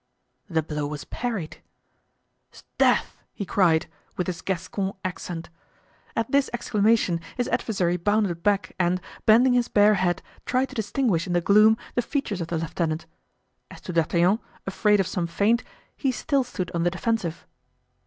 The blow was parried. "'Sdeath!" he cried, with his Gascon accent. At this exclamation his adversary bounded back and, bending his bare head, tried to distinguish in the gloom the features of the lieutenant. As to D'Artagnan, afraid of some feint, he still stood on the defensive.